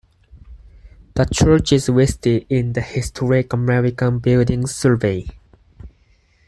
The church is listed in the Historic American Buildings Survey.